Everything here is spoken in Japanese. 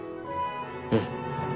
うん！